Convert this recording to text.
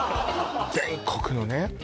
全国のね